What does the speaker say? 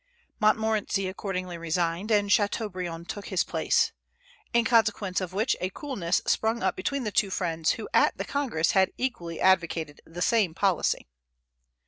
Montmorency accordingly resigned, and Chateaubriand took his place; in consequence of which a coolness sprung up between the two friends, who at the Congress had equally advocated the same policy.